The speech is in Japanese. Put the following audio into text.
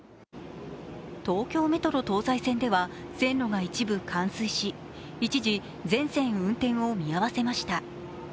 東京メトロ東西線では線路が一部冠水し、一時、全線運転を見合せました。